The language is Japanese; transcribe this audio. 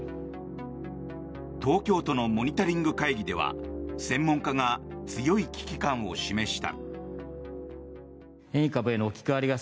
東京都のモニタリング会議では専門家が強い危機感を示した。